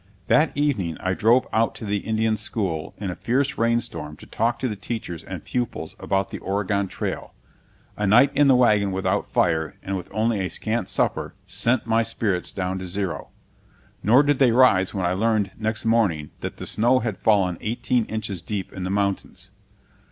That evening I drove out to the Indian school in a fierce rainstorm to talk to the teachers and pupils about the Oregon Trail. A night in the wagon without fire and with only a scant supper sent my spirits down to zero. Nor did they rise when I learned next morning that the snow had fallen eighteen inches deep in the mountains.